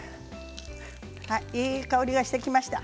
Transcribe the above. いい香りがしてきました。